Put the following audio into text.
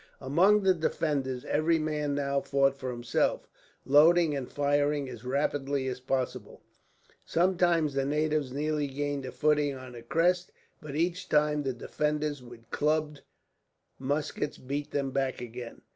Among the defenders, every man now fought for himself, loading and firing as rapidly as possible. Sometimes the natives nearly gained a footing on the crest; but each time the defenders, with clubbed muskets, beat them back again.